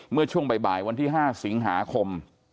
เมื่อช่วงบ่ายวันที่๕สิงหาคม